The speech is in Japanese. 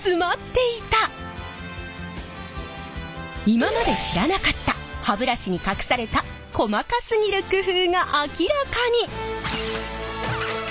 今まで知らなかった歯ブラシに隠された細かすぎる工夫が明らかに！